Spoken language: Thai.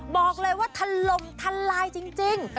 บอกเลยว่าถล่มทลายจริง